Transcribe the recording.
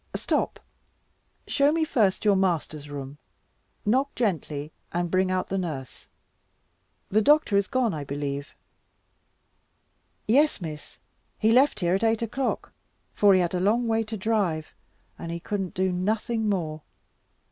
Stop, show me first your master's room; knock gently and bring out the nurse. The doctor is gone I believe." "Yes, Miss, he left here at eight o'clock, for he had a long way to drive, and he couldn't do nothing more.